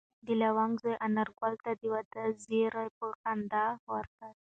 د لونګ زوی انارګل ته د واده زېری په خندا ورکړ.